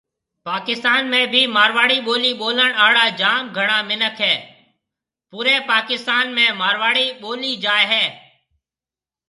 پاڪستان ۾ بهيَ مارواڙي ٻولي ٻولڻ آڙا جام گھڻا مِنک هيَ پوري پاڪستان ۾ مارواڙي ٻولي جائي هيَ۔